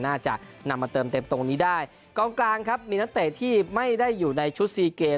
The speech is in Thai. น่าจะนำมาเติมเต็มตรงนี้ได้กองกลางครับมีนักเตะที่ไม่ได้อยู่ในชุดซีเกม